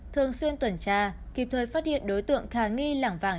thường xuyên tuần tra kịp thời phát hiện đối tượng khá nghi lảng vàng